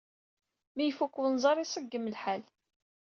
Mi ifuk wenẓar, iṣeggem lḥal.